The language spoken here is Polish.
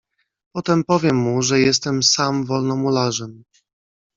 "Potem powiem mu, że jestem sam Wolnomularzem."